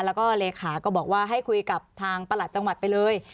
แล้วก็เลขาก็บอกว่าให้คุยกับทางประหลัดจังหวัดไปเลย